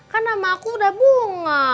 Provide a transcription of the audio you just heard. kan nama aku udah bunga